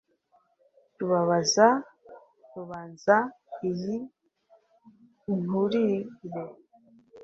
rubabaza rubanza iy' inturire,